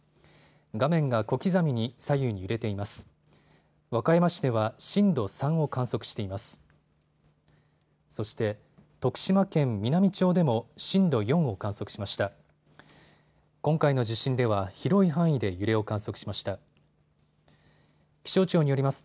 画面が小刻みに左右に揺れています。